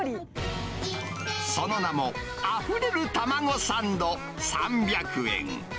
その名も、あふれる玉子サンド３００円。